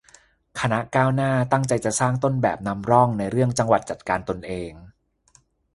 คณะก้าวหน้า ตั้งใจจะสร้างต้นแบบ นำร่อง ในเรื่อง จังหวัดจัดการตนเอง